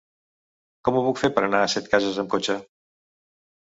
Com ho puc fer per anar a Setcases amb cotxe?